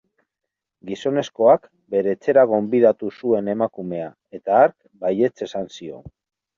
Gizonezkoak bere etxera gonbidatu zuen emakumea, eta hark baietz esan zion.